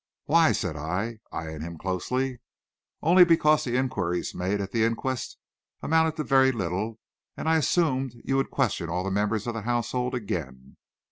"Why?" said I, eying him closely. "Only because the inquiries made at the inquest amounted to very little, and I assumed you would question all the members of the household again."